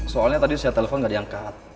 soalnya tadi saya telepon nggak diangkat